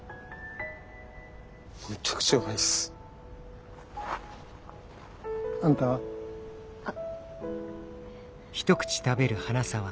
めちゃくちゃうまいっす。あんたは？あっ。